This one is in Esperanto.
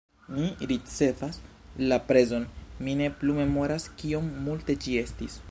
Ni ricevas la prezon, mi ne plu memoras kiom multe ĝi estis